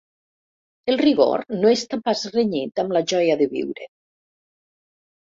El rigor no està pas renyit amb la joia de viure.